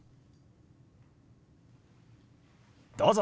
どうぞ。